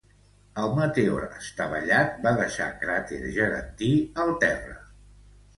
El meteor estavellat va deixar cràter gegantí al terra.